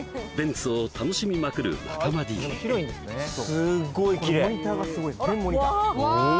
すごいきれいお！